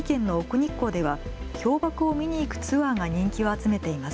日光では氷ばくを見に行くツアーが人気を集めています。